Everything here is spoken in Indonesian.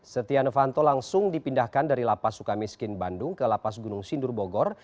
setia novanto langsung dipindahkan dari lapas suka miskin bandung ke lapas gunung sindur bogor